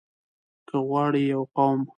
که غواړئ يو قوم